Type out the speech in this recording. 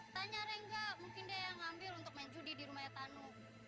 tanya renga mungkin dia yang ngambil untuk main judi di rumahnya tanu